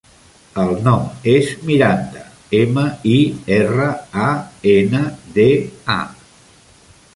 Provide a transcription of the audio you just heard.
El nom és Miranda: ema, i, erra, a, ena, de, a.